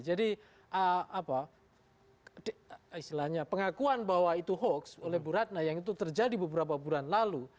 jadi apa istilahnya pengakuan bahwa itu hoax oleh bu ratna yang itu terjadi beberapa bulan lalu